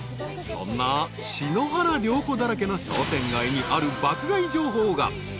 ［そんな篠原涼子だらけの商店街にある爆買い情報が］